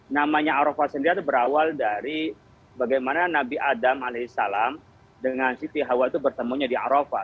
namanya arafah sendiri berawal dari bagaimana nabi adam as dengan siti hawa bertemunya di arafah